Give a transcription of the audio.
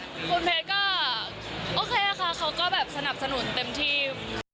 คุณเพชรก็โอเคค่ะเขาก็แบบสนับสนุนเต็มที่